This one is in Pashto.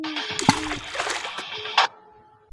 تاسي کله د پښتو د ودې لپاره پروګرام جوړ کړی؟